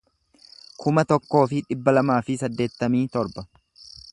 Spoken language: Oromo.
kuma tokkoo fi dhibba lamaa fi saddeettamii torba